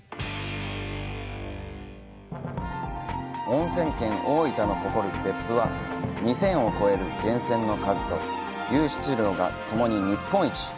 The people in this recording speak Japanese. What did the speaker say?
おんせん県・大分の誇る別府は２０００を超える源泉の数と湧出量が共に日本一。